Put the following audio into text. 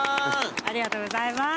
ありがとうございます。